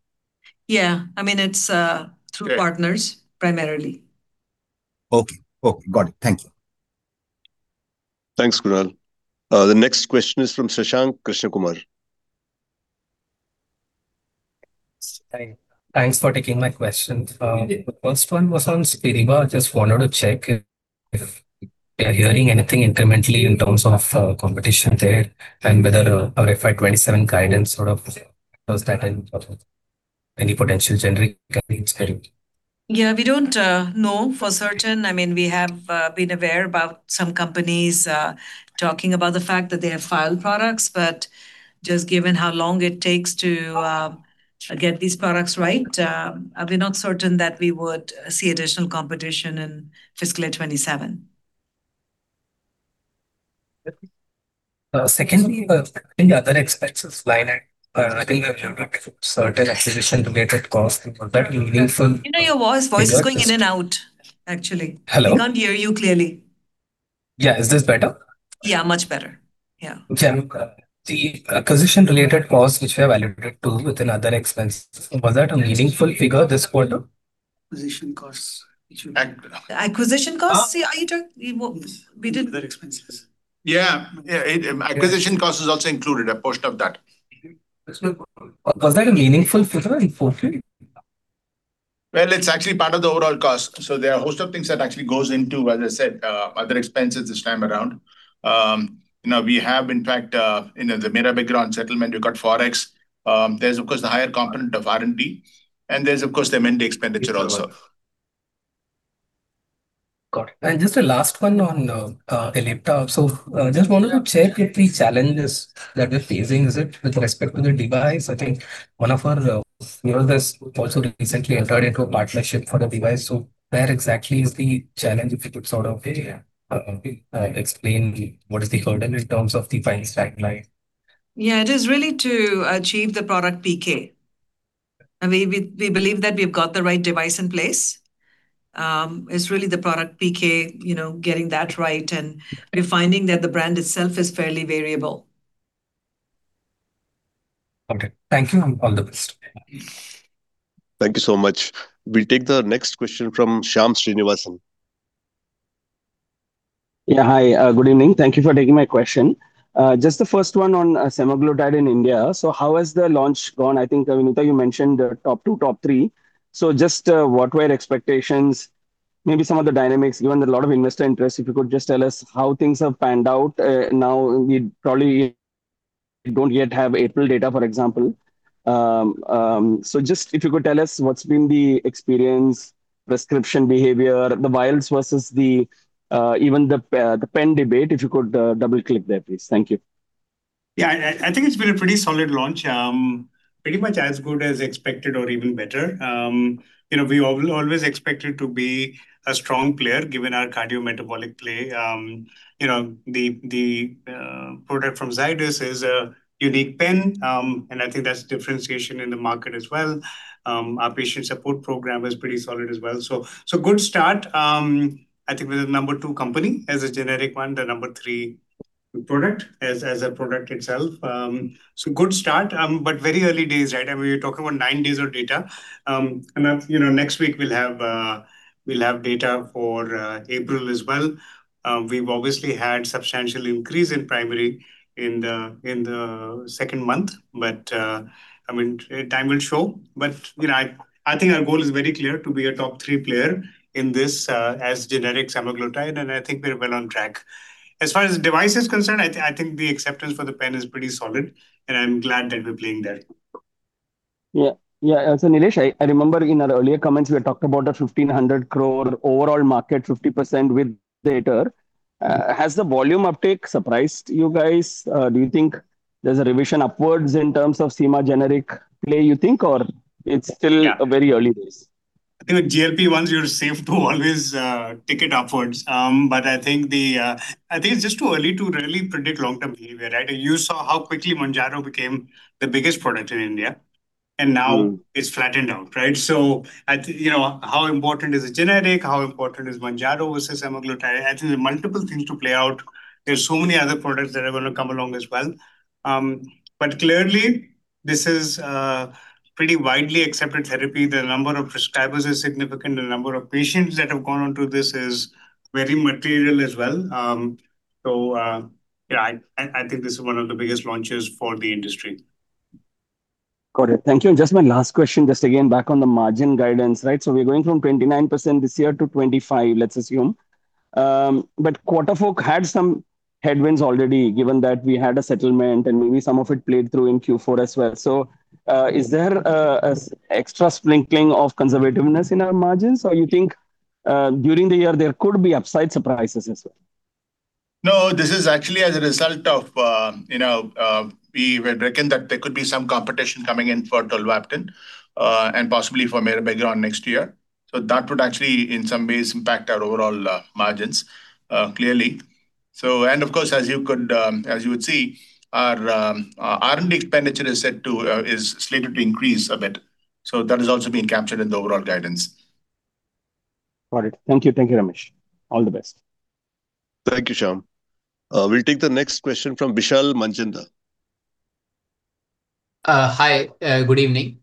Yeah. I mean, it's through partners primarily. Okay. Okay. Got it. Thank you. Thanks, Kunal. The next question is from Shashank Krishnakumar. Thanks for taking my questions. The first one was on Spiriva. Just wanted to check if you are hearing anything incrementally in terms of competition there and whether our FY 2027 guidance sort of does that have any potential generic competing Spiriva? We don't know for certain. I mean, we have been aware about some companies talking about the fact that they have filed products, but just given how long it takes to get these products right, we're not certain that we would see additional competition in fiscal year 2027. Secondly, in the other expenses line item, I think certain acquisition-related costs and was that meaningful. You know, your voice is going in and out actually. Hello? We can't hear you clearly. Yeah. Is this better? Yeah, much better. Yeah. Okay. The acquisition-related costs which we have alluded to within other expense, was that a meaningful figure this quarter? Acquisition costs Acquisition costs? See, We didn't. The expenses. Yeah. Yeah. Acquisition cost is also included, a portion of that. Was that a meaningful figure in full Q? Well, it's actually part of the overall cost. There are a host of things that actually goes into, as I said, other expenses this time around. You know, we have in fact, you know, the mirabegron settlement, we've got Forex, there's of course the higher component of R&D, and there's of course the M&A expenditure also. Got it. Just a last one on Ellipta. Just wanted to check if the challenge is that we're facing, is it with respect to the device? I think one of our peers has also recently entered into a partnership for the device. Where exactly is the challenge, if you could sort of explain what is the hurdle in terms of the filing timeline? Yeah. It is really to achieve the product PK. I mean, we believe that we've got the right device in place. It's really the product PK, you know, getting that right and we're finding that the brand itself is fairly variable. Okay. Thank you. All the best. Thank you so much. We'll take the next question from Shyam Srinivasan. Yeah. Hi, good evening. Thank you for taking my question. Just the first one on semaglutide in India. How has the launch gone? I think, Vinita, you mentioned the top two, top three. Just, what were your expectations? Maybe some of the dynamics, given a lot of investor interest, if you could just tell us how things have panned out. Now we probably don't yet have April data, for example. Just if you could tell us what's been the experience, prescription behavior, the vials versus the even the pen debate, if you could double-click there, please. Thank you. Yeah. I think it's been a pretty solid launch. Pretty much as good as expected or even better. You know, we always expected to be a strong player, given our cardiometabolic play. You know, the product from Zydus is a unique pen, and I think that's differentiation in the market as well. Our patient support program is pretty solid as well. Good start. I think we're the number two company as a generic one, the number three product as a product itself. Good start, but very early days, right? I mean, we're talking about nine days of data. That, you know, next week we'll have data for April as well. We've obviously had substantial increase in primary in the second month, I mean, time will show. You know, I think our goal is very clear, to be a top three player in this, as generic semaglutide, and I think we're well on track. As far as device is concerned, I think the acceptance for the pen is pretty solid, and I'm glad that we're playing there. Yeah. Nilesh, I remember in our earlier comments you had talked about a 1,500 crore overall market, 50% with data. Has the volume uptake surprised you guys? Do you think there's a revision upwards in terms of sema-generic play, you think or still very early days? I think with GLP once you're safe to always take it upwards. I think it's just too early to really predict long-term behavior, right? You saw how quickly Mounjaro became the biggest product in India and now It's flattened out, right? You know, how important is a generic, how important is Mounjaro versus semaglutide? I think there are multiple things to play out. There are so many other products that are gonna come along as well. Clearly this is pretty widely accepted therapy. The number of prescribers is significant. The number of patients that have gone onto this is very material as well. Yeah, I think this is one of the biggest launches for the industry. Got it. Thank you. Just my last question, just again back on the margin guidance, right? We're going from 29% this year to 25%, let's assume. Quarter 4 had some headwinds already, given that we had a settlement and maybe some of it played through in Q4 as well. Is there a extra sprinkling of conservativeness in our margins, or you think during the year there could be upside surprises as well? No, this is actually as a result of, you know, we had reckoned that there could be some competition coming in for tolvaptan and possibly for mirabegron next year. That would actually in some ways impact our overall margins clearly. Of course, as you would see, our R&D expenditure is slated to increase a bit, that has also been captured in the overall guidance. Got it. Thank you. Thank you, Ramesh. All the best. Thank you, Shyam. We'll take the next question from Vishal Manchanda. Hi. Good evening.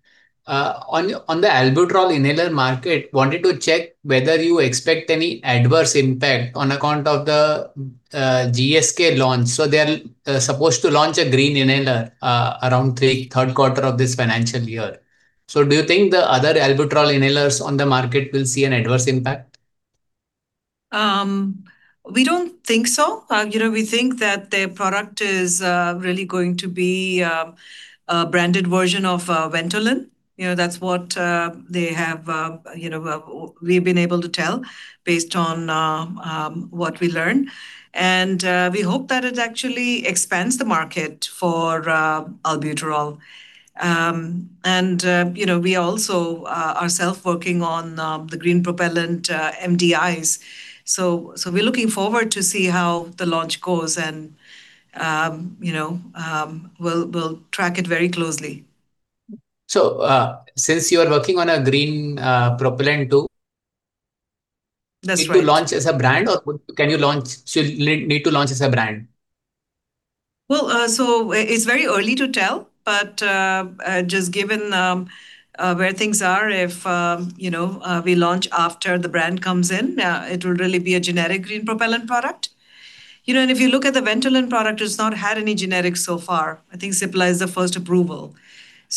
On the albuterol inhaler market, wanted to check whether you expect any adverse impact on account of the GSK launch. They're supposed to launch a green inhaler around the third quarter of this financial year. Do you think the other albuterol inhalers on the market will see an adverse impact? We don't think so. You know, we think that their product is really going to be a branded version of Ventolin. You know, that's what they have, we've been able to tell based on what we learn. We hope that it actually expands the market for albuterol. You know, we also ourself working on the green propellant MDIs. We're looking forward to see how the launch goes and, you know, we'll track it very closely. Since you are working on a green propellant too. That's right. Need to launch as a brand or can you launch? You'll need to launch as a brand? Well, so it's very early to tell, but just given, where things are, if, you know, we launch after the brand comes in, it will really be a generic green propellant product. You know, if you look at the Ventolin product, it's not had any generics so far. I think Cipla is the first approval.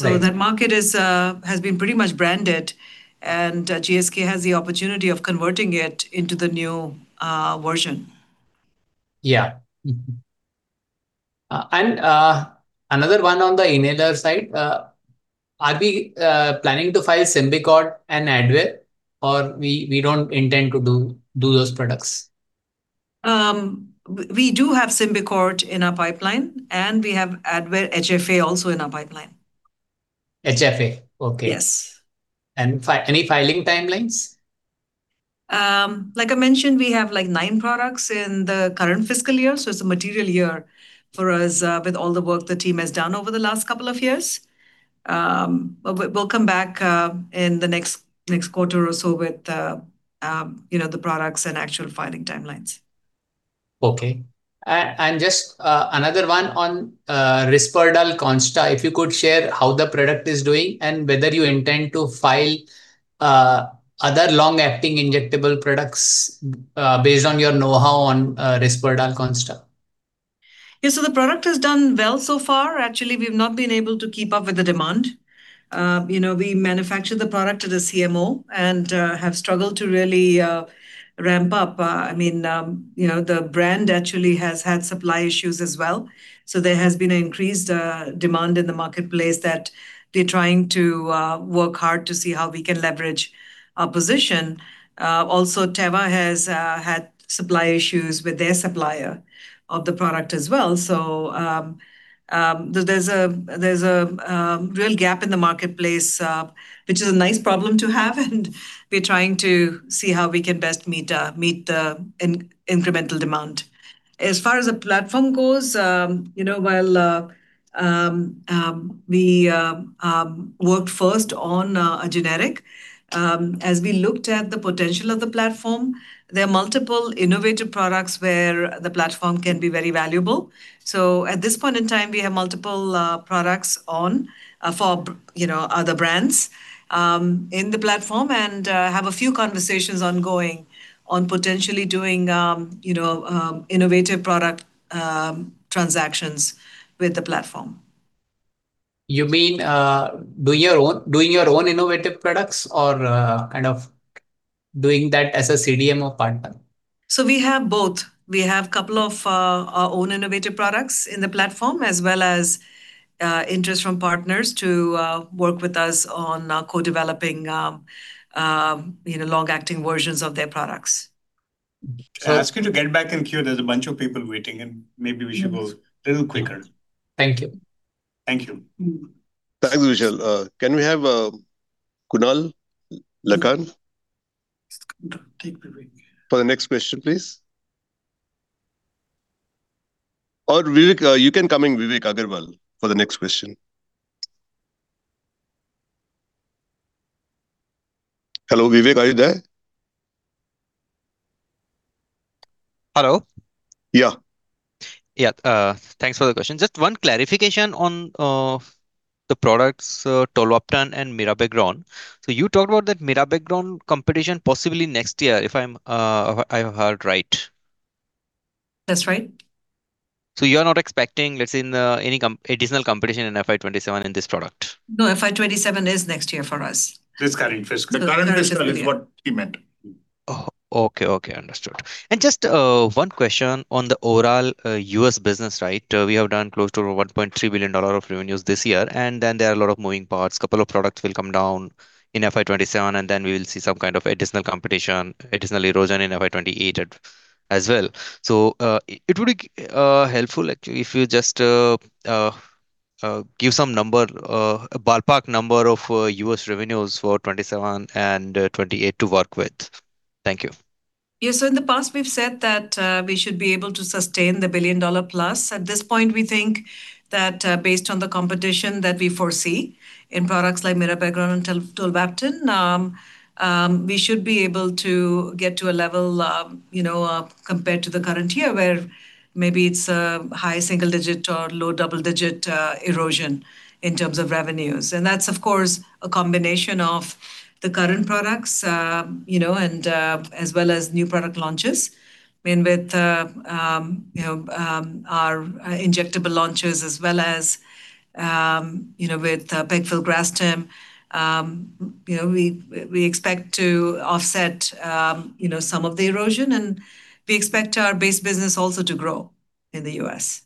Right. That market is, has been pretty much branded, and GSK has the opportunity of converting it into the new version. Yeah. Another one on the inhaler side. Are we planning to file Symbicort and Advair, or we don't intend to do those products? We do have Symbicort in our pipeline. We have Advair HFA also in our pipeline. HFA? Okay. Yes. Any filing timelines? Like I mentioned, we have, like, nine products in the current fiscal year, so it's a material year for us with all the work the team has done over the last couple of years. We'll come back in the next quarter or so with, you know, the products and actual filing timelines. Okay. Just another one on Risperdal Consta. If you could share how the product is doing and whether you intend to file other long-acting injectable products based on your know-how on Risperdal Consta? Yeah, the product has done well so far. Actually, we've not been able to keep up with the demand. You know, we manufacture the product to the CMO and have struggled to really ramp up. I mean, you know, the brand actually has had supply issues as well, there has been an increased demand in the marketplace that we're trying to work hard to see how we can leverage our position. Also Teva has had supply issues with their supplier of the product as well, there's a real gap in the marketplace, which is a nice problem to have and we're trying to see how we can best meet the incremental demand. As far as the platform goes, you know, while we worked first on a generic, as we looked at the potential of the platform, there are multiple innovative products where the platform can be very valuable. At this point in time, we have multiple products on for, you know, other brands in the platform and have a few conversations ongoing on potentially doing, you know, innovative product transactions with the platform. You mean, doing your own innovative products or kind of doing that as a CDMO of partner? We have both. We have couple of our own innovative products in the platform as well as interest from partners to work with us on co-developing, you know, long-acting versions of their products. Can I ask you to get back in queue? There's a bunch of people waiting and maybe we should go little quicker. Thank you. Thank you. Thanks, Vishal. Can we have Kunal Lakhani? Take Vivek. For the next question, please. Vivek, you can come in, Vivek Agarwal, for the next question. Hello, Vivek. Are you there? Hello? Yeah. Yeah. Thanks for the question. Just one clarification on the products, tolvaptan and mirabegron. You talked about that mirabegron competition possibly next year, if I heard right? That's right. You're not expecting, let's say, in, any additional competition in FY 2027 in this product? No, FY 2027 is next year for us. This current fiscal. The current fiscal year. The current fiscal is what he meant. Okay. Understood. Just one question on the overall U.S. business, right? We have done close to $1.3 billion of revenues this year. There are a lot of moving parts. A couple of products will come down in FY 2027. We will see some kind of additional competition, additional erosion in FY 2028 as well. It would be helpful if you just give some number, a ballpark number of U.S. revenues for FY 2027 and FY 2028 to work with. Thank you. In the past we've said that we should be able to sustain the billion-dollar plus. At this point, we think that based on the competition that we foresee in products like mirabegron and tolvaptan, we should be able to get to a level, you know, compared to the current year where maybe it's high single-digit or low double-digit erosion in terms of revenues. That's of course a combination of the current products, you know, and as well as new product launches. I mean, with, you know, our injectable launches as well as, you know, with pegfilgrastim we expect to offset, you know, some of the erosion and we expect our base business also to grow in the U.S.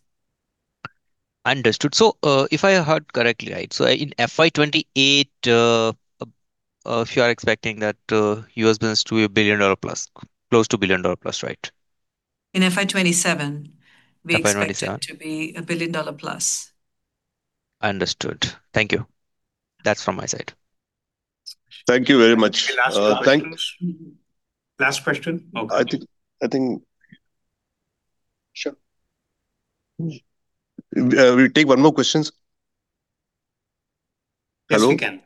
Understood. So, if I heard correctly right so in FY 2028, if you are expecting that U.S. business to be a billion dollar plus, close to a billion dollar plus, right? In FY 2027. In FY 2027. We expect it to be a billion dollar plus. Understood. Thank you. That's on my side. Thank you very much. Last question. I think. Sure. We'll take one more question. Yes we can.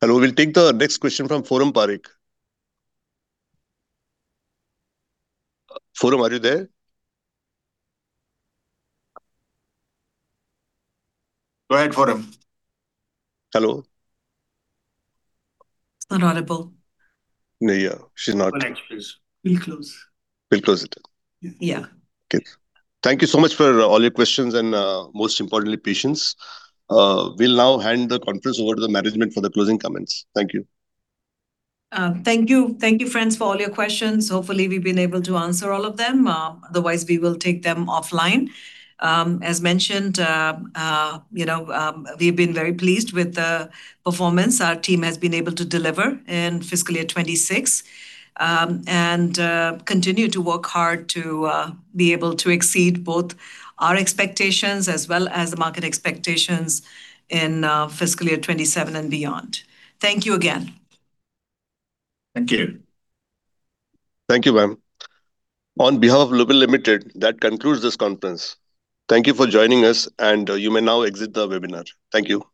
Hello, we'll take the next question from Forum Parekh. Forum, are you there? Go ahead, Forum. Hello. Not audible. No, yeah. She's not ready. We'll close it. We'll close it? Yeah. Okay. Thank you so much for all your questions and most importantly, patience. We'll now hand the conference over to the management for the closing comments. Thank you. Thank you. Thank you, friends, for all your questions. Hopefully, we've been able to answer all of them. The rest, we will take them offline. As mentioned, you know, we've been very pleased with the performance our team has been able to deliver in fiscal year 2026 and continue to work hard to be able to exceed both our expectations as well as market expectations in fiscal year 2027 and beyond. Thank you again. Thank you. Thank you, ma'am. On behalf of Lupin Limited, that concludes this conference. Thank you for joining us and you may now exit the webinar. Thank you.